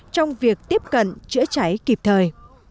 trong việc tiếp cận chữa cháy kịp thời